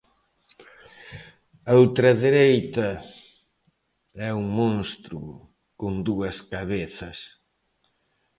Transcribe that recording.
A ultradereita é un monstro con dúas cabezas.